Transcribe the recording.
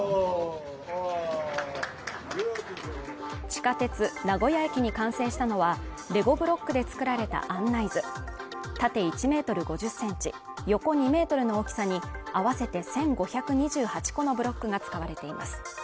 地下鉄名古屋駅に完成したのはレゴブロックで作られた案内図縦１メートル５０センチ横２メートルの大きさに合わせて１５２８個のブロックが使われています